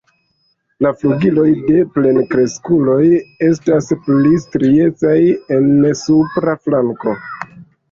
La flugiloj de plenkreskuloj estas pli striecaj en supra flanko.